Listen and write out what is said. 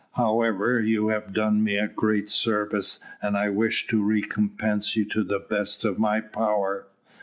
However, you have done me a great service, and I wish to recompense you to the best of my power."